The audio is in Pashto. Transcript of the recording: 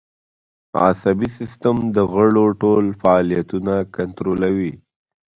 عصبي سیستم د غړو ټول فعالیتونه کنترولوي